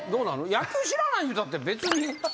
野球知らないいうたって別に。